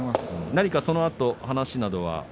何かそのあと話などは？